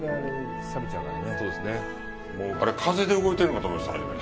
あれ、風で動いてるんかと思いました、初め。